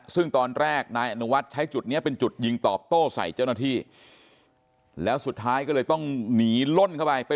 ซึ่งตอนแรกนายอนุวัฒน์ใช้จุดนี้เป็นจุดยิงตอบโต้ใส่เจ้าหน้าที่แล้วสุดท้ายก็เลยต้องหนีล่นเข้าไปไป